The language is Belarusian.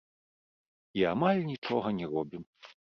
І амаль нічога не робім.